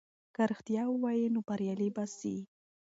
که رښتیا ووایې نو بریالی به سې.